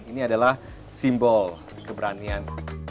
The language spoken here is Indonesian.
ini adalah simbol keberanian